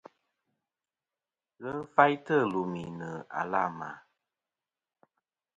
Ghɨ faytɨ lùmì nɨ̀ àlamà.